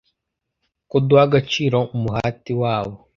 ko duha agaciro umuhati wabo